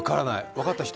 分かった人？